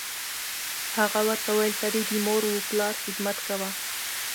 هغه ورته وویل: ته دې د مور و پلار خدمت کوه.